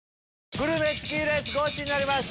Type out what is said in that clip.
グルメチキンレースゴチになります！